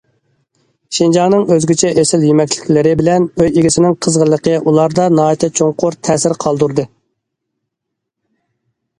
شىنجاڭنىڭ ئۆزگىچە ئېسىل يېمەكلىكلىرى بىلەن ئۆي ئىگىسىنىڭ قىزغىنلىقى ئۇلاردا ناھايىتى چوڭقۇر تەسىر قالدۇردى.